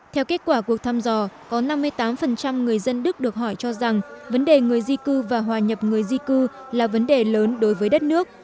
theo kết quả cuộc thăm dò có năm mươi tám người dân đức được hỏi cho rằng vấn đề người di cư và hòa nhập người di cư là vấn đề lớn đối với đất nước